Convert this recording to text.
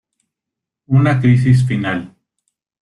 Una crisis final.